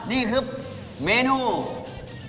นี่คือเมนูแกงส้มที่กลับมา